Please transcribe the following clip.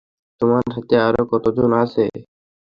তোমার সাথে আরও কতজন আছে?